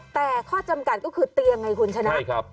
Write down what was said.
แต่ข้อจำกัดก็คือเตียงไงคุณฉะนั้น